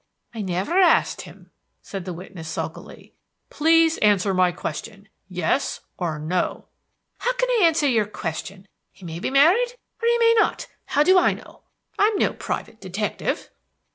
"I never asked him," said the witness sulkily. "Please answer my question yes or no." "How can I answer your question? He may be married or he may not. How do I know? I'm no private detective."